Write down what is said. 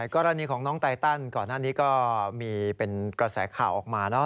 กรณีของน้องไตตันก่อนหน้านี้ก็มีเป็นกระแสข่าวออกมาเนาะ